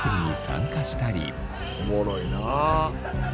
おもろいなあ。